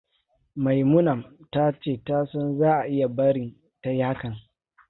Maimunaam tace tasan za a iya barin tayi hakan.